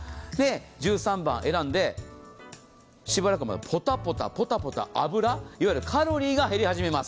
１３番選んで、しばらく待つとポタポタと脂、いわゆるカロリーが減り始めます。